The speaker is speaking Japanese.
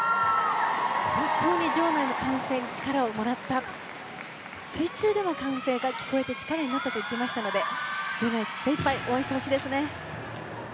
本当に場内の歓声に力をもらった水中でも歓声が聞こえて力になったと言っていましたので場内全体で応援してほしいですね。